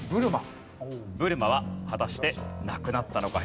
ブルマは果たしてなくなったのか？